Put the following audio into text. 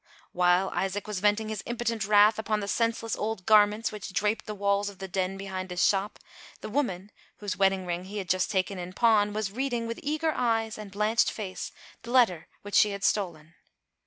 While Isaac was venting his impotent wrath upon the senseless old garments, which draped the walls of the den behind his shop, the woman, whose wedding ring he had just taken in pawn, was reading, with eager eyes and blanched face, the letter which she had stolen.